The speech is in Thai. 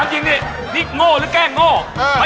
มีความรู้สึกว่า